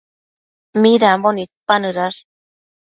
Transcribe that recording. Midambo nidpanëdash?